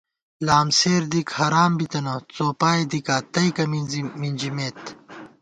لام سیر دِک حرام بِتَنہ څوپائے دِکا تئیکہ مِنزی مِنجِمېت